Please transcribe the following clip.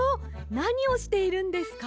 なにをしているんですか？